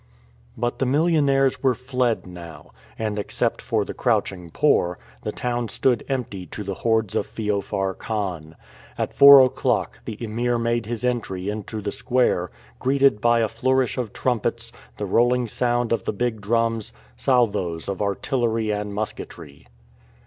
But the millionaires were fled now, and except for the crouching poor, the town stood empty to the hordes of Feofar Khan. At four o'clock the Emir made his entry into the square, greeted by a flourish of trumpets, the rolling sound of the big drums, salvoes of artillery and musketry.